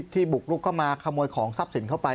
บุกลุกเข้ามาขโมยของทรัพย์สินเข้าไป